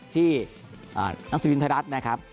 ที่นักสมินไทยรัฐนะครับ